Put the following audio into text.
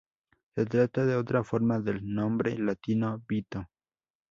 Se trata de otra forma del nombre latino Vito.